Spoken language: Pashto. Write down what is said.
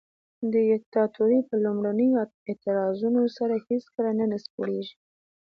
دیکتاتوري په لومړنیو اعتراضونو سره هیڅکله نه نسکوریږي.